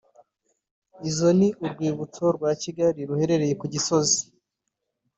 Izo ni urwibutso rwa Kigali ruherereye ku Gisozi